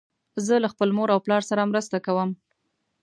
زه له خپل مور او پلار سره مرسته کوم.